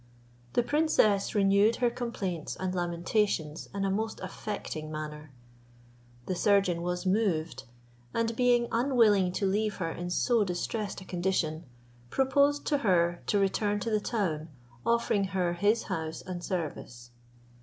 The princess renewed her complaints and lamentations in a most affecting manner. The surgeon was moved and being unwilling to leave her in so distressed a condition, proposed to her to return to the town offering her his house and service.